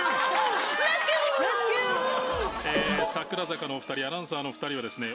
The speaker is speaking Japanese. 櫻坂のお二人アナウンサーのお二人はですね